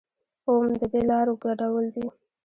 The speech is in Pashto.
اووم ددې لارو ګډول دي.